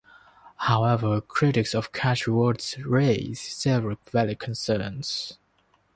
However, critics of cash rewards raise several valid concerns.